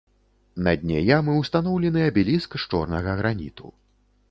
На дне ямы ўстаноўлены абеліск з чорнага граніту.